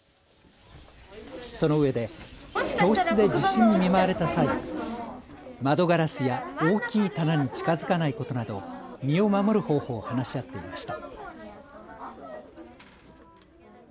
そのうえで教室で地震に見舞われた際、窓ガラスや大きい棚に近づかないことなど身を守る方法を話し合っていました。